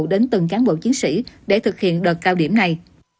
đến từng cán bộ chiến sĩ để thực hiện đợt cao điểm này